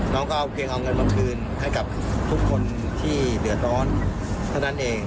น้องก็เอาเพียงเอาเงินมาคืนให้กับทุกคนที่เดือดร้อนเท่านั้นเอง